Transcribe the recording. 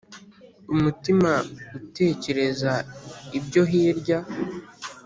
umutima utekereza ibyo hirya